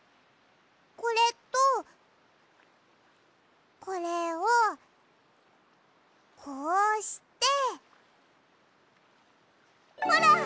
これとこれをこうしてほらっ！